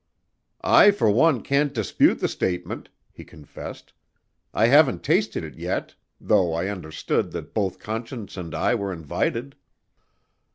"I for one can't dispute the statement," he confessed. "I haven't tasted it yet though I understood that both Conscience and I were invited."